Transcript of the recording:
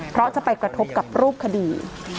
เพราะจะไปกระทบกับรูปคดี